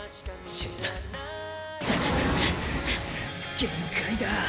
限界だ。